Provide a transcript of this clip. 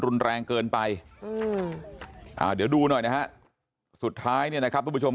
รุนแรงเกินไปอืมอ่าเดี๋ยวดูหน่อยนะฮะสุดท้ายเนี่ยนะครับทุกผู้ชม